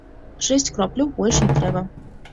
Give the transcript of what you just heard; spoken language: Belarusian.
Шэсць кропляў, больш не трэба.